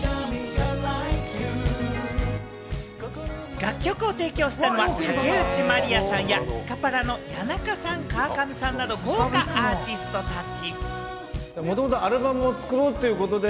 楽曲を提供したのは、竹内まりやさんやスカパラの谷中さん、川上さんなど豪華アーティストたち。